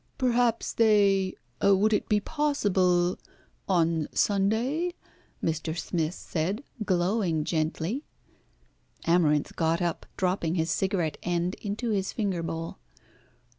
"Perhaps they would it be possible on Sunday?" Mr. Smith said, glowing gently. Amarinth got up, dropping his cigarette end into his finger bowl.